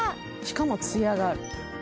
しかもつやがある。